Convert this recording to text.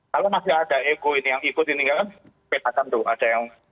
kalau masih ada ego ini yang ikut ini kan petakan tuh ada yang